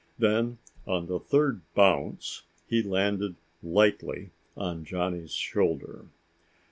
Then, on the third bounce, he landed lightly on Johnny's shoulder.